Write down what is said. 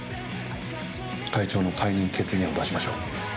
会長の解任決議案を出しましょう。